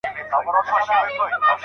آیا د اکراه په حال کې عتاق سته؟